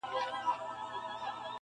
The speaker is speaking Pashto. هسي نه چي زه در پسې ټولي توبې ماتي کړم,